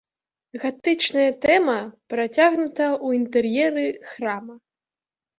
Гатычная тэма працягнута ў інтэр'еры храма.